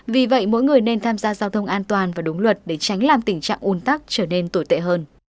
vì vậy mỗi người nên tham gia giao thông an toàn và đúng luật để tránh làm tình trạng un tắc trở nên tồi tệ hơn